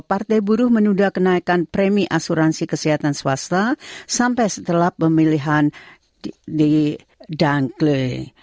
partai buruh menunda kenaikan premi asuransi kesehatan swasta sampai setelah pemilihan di dankle